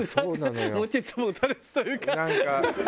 持ちつ持たれつというかハハハハ！